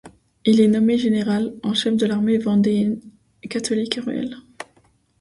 Il est nommé général en chef de l'armée vendéenne catholique et royale.